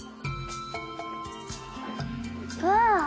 わあ！